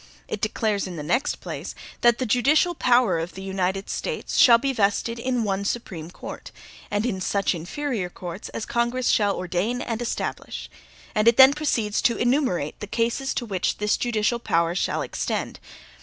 "(2) It declares, in the next place, that "the JUDICIAL POWER of the United States shall be vested in one Supreme Court, and in such inferior courts as Congress shall ordain and establish"; and it then proceeds to enumerate the cases to which this judicial power shall extend.